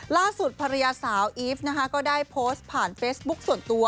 ล่าสุดภรรยาสาวอีฟนะคะก็ได้โพสต์ผ่านเฟซบุ๊คส่วนตัว